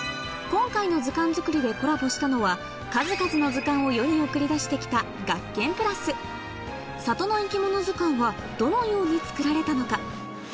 今回の図鑑作りでコラボしたのは数々の図鑑を世に送り出して来た里の生き物図鑑はどのように作られたのか？